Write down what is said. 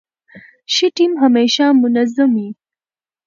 ښه ټیم همېشه منظم يي.